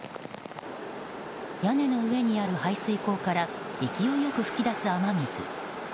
屋根の上にある排水口から勢いよく噴き出す雨水。